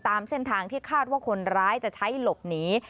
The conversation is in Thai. ตามเส้นทางที่คาดว่าคนร้ายจะใช้หลบหนี